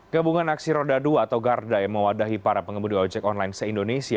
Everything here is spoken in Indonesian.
gabungan aksi roda dua atau garda yang mewadahi para pengemudi ojek online se indonesia